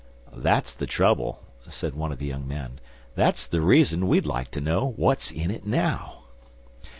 "That's the trouble," said one of the young men. "That's the reason we'd like to know what's in it now.